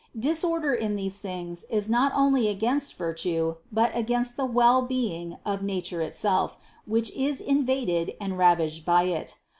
Disorder in these things is not only against virtue, but against the well being of nature itself, which is invaded and ravaged by it.